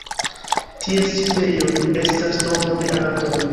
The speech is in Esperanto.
Ties sidejo estas Domo de artoj.